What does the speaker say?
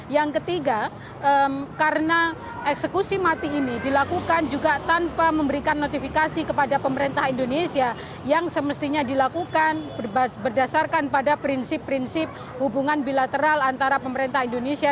yang ketiga karena eksekusi mati ini dilakukan juga tanpa memberikan notifikasi kepada pemerintah indonesia yang semestinya dilakukan berdasarkan pada prinsip prinsip hubungan bilateral antara pemerintah indonesia